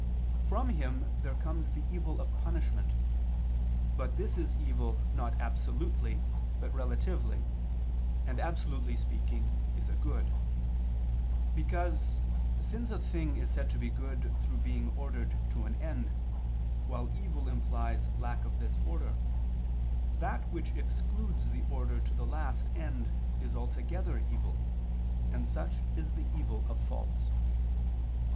From Him there comes the evil of punishment, but this is evil not absolutely but relatively, and, absolutely speaking, is a good. Because, since a thing is said to be good through being ordered to an end, while evil implies lack of this order, that which excludes the order to the last end is altogether evil, and such is the evil of fault.